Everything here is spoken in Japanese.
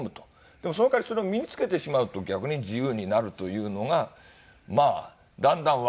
でもその代わりそれを身につけてしまうと逆に自由になるというのがだんだんわかるわけですね。